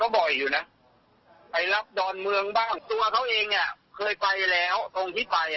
บ่อยอยู่นะไปรับดอนเมืองบ้างตัวเขาเองอ่ะเคยไปแล้วตรงที่ไปอ่ะ